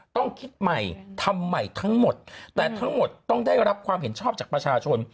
ต้องคิดใหม่ทำใหม่ทั้งหมดแต่ทั้งหมดต้องได้รับความเห็นชอบจากประชาชน